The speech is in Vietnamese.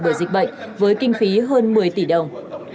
bởi dịch bệnh với kinh phí hơn một mươi tỷ đồng